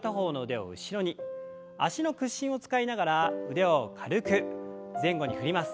脚の屈伸を使いながら腕を軽く前後に振ります。